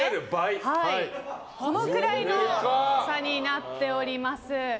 このくらいの差になっております。